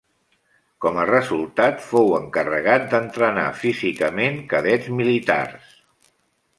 Com a resultat, fou encarregat d'entrenar físicament cadets militars.